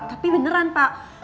tapi beneran pak